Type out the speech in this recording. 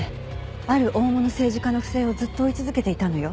ある大物政治家の不正をずっと追い続けていたのよ。